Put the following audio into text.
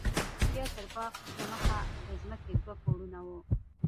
بيا تر باغ د مخه د ځمکې دوه پوړونه وو.